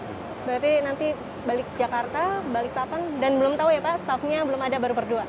berarti nanti balik jakarta balikpapan dan belum tahu ya pak staffnya belum ada baru berdua